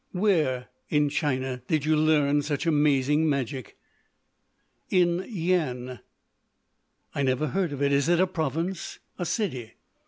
"Where, in China, did you learn such amazing magic?" "In Yian." "I never heard of it. Is it a province?" "A city."